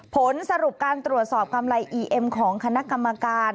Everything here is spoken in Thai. ผลสรุปการตรวจสอบกำไรอีเอ็มของคณะกรรมการ